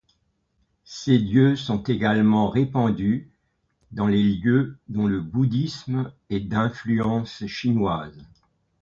Ces dieux sont également répandu dans les lieux dont le bouddhisme est d'influence chinoise.